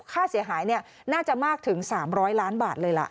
ค่าเสียหายน่าจะมากถึง๓๐๐ล้านบาทเลยล่ะ